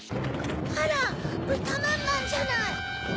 あらぶたまんまんじゃない！